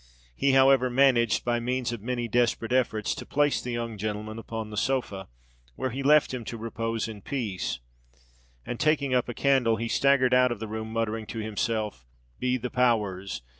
He however managed, by means of many desperate efforts, to place the young gentleman upon the sofa, where he left him to repose in peace; and, taking up a candle, he staggered out of the room, muttering to himself, "Be the power rs!